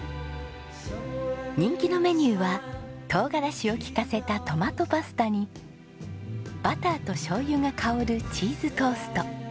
人気のメニューは唐辛子を利かせたトマトパスタにバターと醤油が香るチーズトースト。